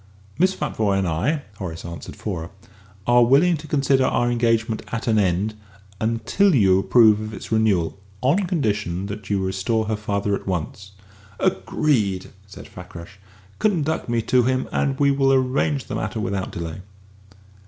"Miss Futvoye and I," Horace answered for her, "are willing to consider our engagement at an end, until you approve of its renewal, on condition that you restore her father at once." "Agreed!" said Fakrash. "Conduct me to him, and we will arrange the matter without delay."